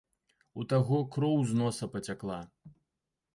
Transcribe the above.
У таго кроў з носа пацякла.